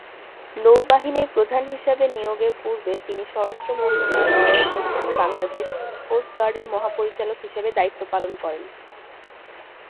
নৌবাহিনীর প্রধান হিসাবে নিয়োগের পূর্বে তিনি স্বরাষ্ট্র মন্ত্রণালয়ের অধীনে বাংলাদেশ কোস্ট গার্ডের মহাপরিচালক হিসাবে দায়িত্ব পালন করেন।